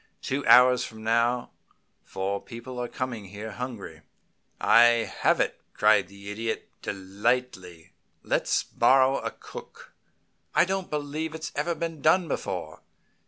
Two hours from now four people are coming here hungry " "I have it!" cried the Idiot, delightedly. "Let's borrow a cook! I don't believe it's ever been done before.